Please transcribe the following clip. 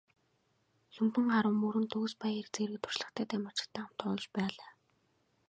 Лхүмбэнгарав, Мөрөн, Төгсбаяр зэрэг туршлагатай тамирчидтай хамтдаа тоглож байлаа.